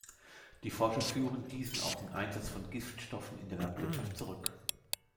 Die Forscher führen diesen auf den Einsatz von Giftstoffen in der Landwirtschaft zurück.